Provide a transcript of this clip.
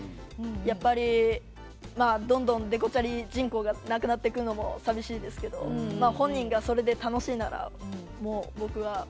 やっぱり、どんどんデコチャリ人口がなくなっていくのもさびしいですけど本人がそれで楽しいなら僕は。